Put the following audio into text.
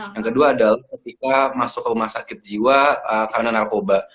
yang kedua adalah ketika masuk ke rumah sakit jiwa karena narkoba